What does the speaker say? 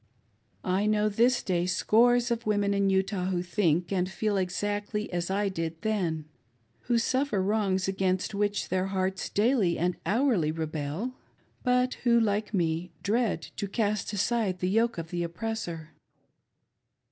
I know this day scores of women in Utah who think and ;feel ^exactly as I did then, who suffer wrongs against which their hearts daily and hourly rebel, but who, like me, dread to cast aside the yoke of the oppressor.